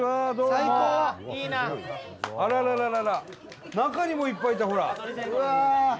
あららら中にもいっぱいいたほら。